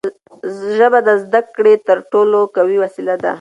ژبه د زدهکړې تر ټولو قوي وسیله ده.